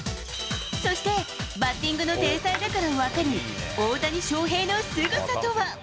そしてバッティングの天才だから分かる大谷翔平のすごさとは？